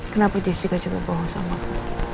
kenapa jesse gak coba bohong sama aku